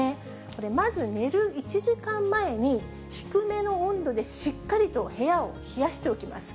これ、まず寝る１時間前に、低めの温度でしっかりと部屋を冷やしておきます。